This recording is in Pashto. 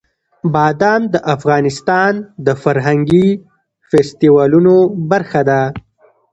بادام د افغانستان د فرهنګي فستیوالونو برخه ده.